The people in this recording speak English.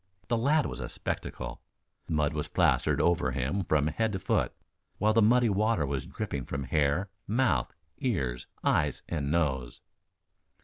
The lad was a spectacle. Mud was plastered over him from head to foot, while the muddy water was dripping from hair, mouth, ears, eyes and nose.